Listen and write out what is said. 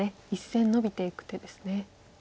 １線ノビていく手ですね。